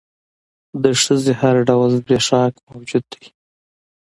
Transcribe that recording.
د ښځې هر ډول زبېښاک موجود دى.